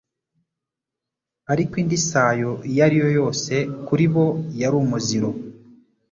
ariko indi sayo iyo ari yo yose kuri bo yari umuziro.